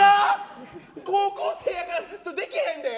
高校生だから、でけへんで？